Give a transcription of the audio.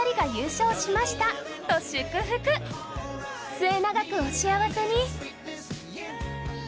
末永くお幸せに！